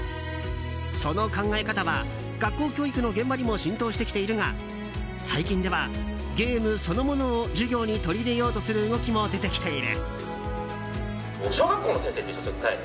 その考え方は学校教育の現場にも浸透してきているが最近ではゲームそのものを授業に取り入れようとする動きも出てきている。